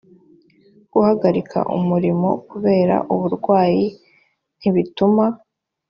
guhagarika umurimo kubera uburwayi ntibituma